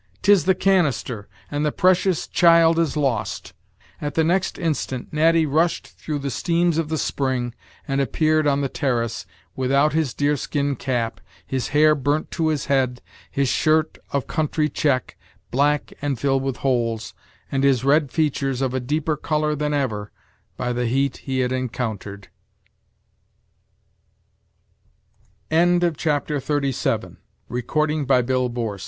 "'Tis the canister, and the precious child is lost." At the next instant Natty rushed through the steams of the spring, and appeared on the terrace, without his deerskin cap, his hair burnt to his head, his shirt, of country check, black and filled with holes, and his red features of a deeper color than ever, by the heat he had encountered. CHAPTER XXXVIII. "Even from the land of shadows, now My fa